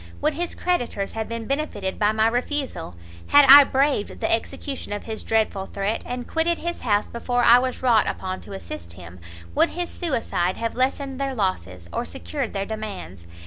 would his creditors have been benefitted by my refusal? had I braved the execution of his dreadful threat, and quitted his house before I was wrought upon to assist him, would his suicide have lessened their losses, or secured their demands?